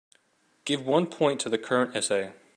Give one point to the current essay.